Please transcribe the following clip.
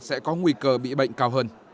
sẽ có nguy cơ bị bệnh cao hơn